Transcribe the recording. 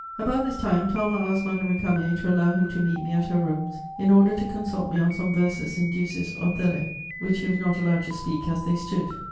About this time, Talma asked Madame Récamier to allow him to meet me at her rooms in order to consult me on some verses in Ducis' Othello, which he was not allowed to speak as they stood.